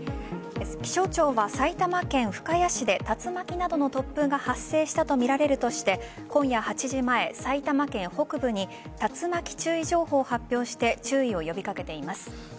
気象庁は埼玉県深谷市で竜巻などの突風が発生したとみられるとして今夜８時前、埼玉県北部に竜巻注意情報を発表して注意を呼び掛けています。